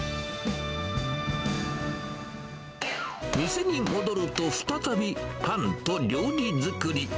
店に戻ると、再びパンと料理作り。